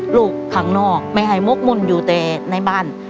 ลูกข้างนอกไม่ให้มกมุ่นอยู่แต่ในบ้าน